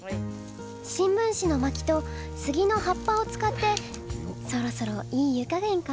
新聞紙の薪とスギの葉っぱを使ってそろそろいい湯加減かな。